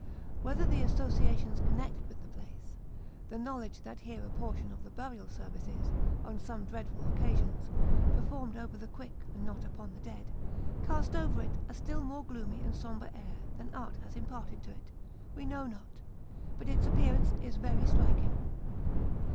Whether the associations connected with the place the knowledge that here a portion of the burial service is, on some dreadful occasions, performed over the quick aud not upon the dead cast over it a still more gloomy and sombre air than art has imparted to it, we know not, but its appearance is very striking.